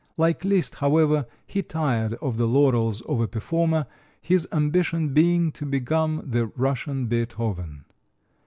Like Liszt, however, he tired of the laurels of a performer, his ambition being to become the Russian Beethoven.